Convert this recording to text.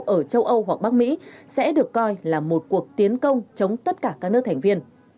ở châu âu hoặc bắc mỹ sẽ được coi là một cuộc tiến công chống tất cả các nước thành viên